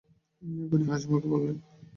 মিয়া গনি হাসিমুখে বললেন, আসুন।